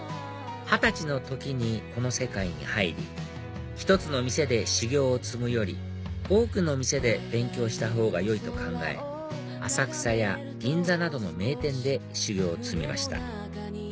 二十歳の時にこの世界に入り１つの店で修業を積むより多くの店で勉強したほうがよいと考え浅草や銀座などの名店で修業を積みました